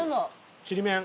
ちりめん？